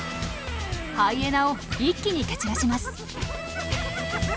ハイエナを一気に蹴散らします。